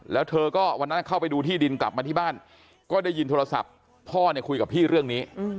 แล้วเธอก็วันนั้นเข้าไปดูที่ดินกลับมาที่บ้านก็ได้ยินโทรศัพท์พ่อเนี่ยคุยกับพี่เรื่องนี้